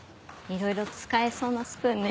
いろいろ使えそうなスプーンね。